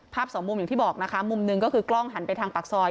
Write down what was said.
สองมุมอย่างที่บอกนะคะมุมหนึ่งก็คือกล้องหันไปทางปากซอย